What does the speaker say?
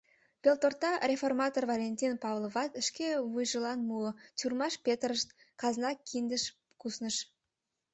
Пелторта реформатор Валентин Павловат шке вуйжылан муо: тюрьмаш петырышт, казна киндыш кусныш.